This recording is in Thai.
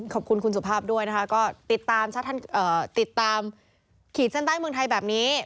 ขอบคุณคุณสุภาพด้วยนะคะก็ติดตามติดตามขีดเส้นใต้เมืองไทยแบบนี้